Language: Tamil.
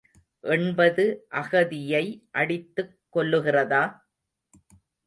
எண்பது அகதியை அடித்துக் கொல்லுகிறதா?